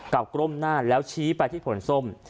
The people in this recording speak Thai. กล้มหน้าแล้วชี้ไปที่ผลส้ม